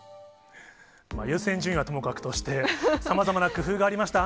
優先順位はともかくとして、さまざまな工夫がありました。